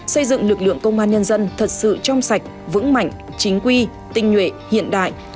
xây dựng lực lượng công an nhân dân thật sự trong sạch vững mạnh chính quy tinh nhuệ hiện đại